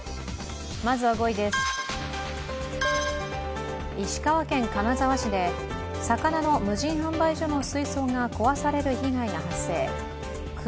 まずは５位です、石川県金沢市で魚の無人販売所の水槽が壊される被害が発生熊